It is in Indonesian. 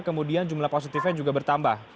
kemudian jumlah positifnya juga bertambah